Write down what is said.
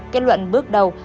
kết luận bước đầu